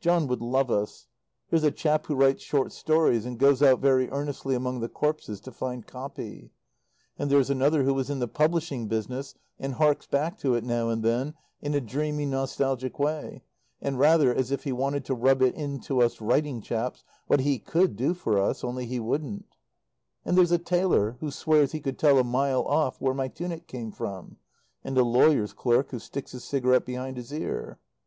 John would love us. There's a chap who writes short stories and goes out very earnestly among the corpses to find copy; and there's another who was in the publishing business and harks back to it, now and then, in a dreamy nostalgic way, and rather as if he wanted to rub it into us writing chaps what he could do for us, only he wouldn't; and there's a tailor who swears he could tell a mile off where my tunic came from; and a lawyer's clerk who sticks his cigarette behind his ear.